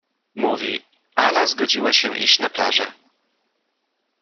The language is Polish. Mówi: — Ala zgodziła się iść na plażę.